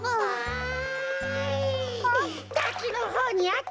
あっ。